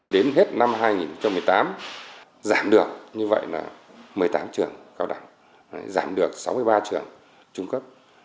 đến hết năm hai nghìn một mươi tám giảm được một mươi tám trường cao đẳng giảm được sáu mươi ba trường trung cấp